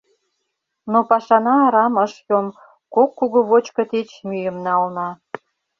Но пашана арам ыш йом: кок кугу вочко тич мӱйым нална.